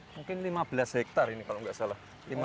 mungkin lima belas hektare ini kalau nggak salah